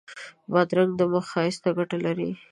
بادرنګ د مخ ښایست ته ګټه لري.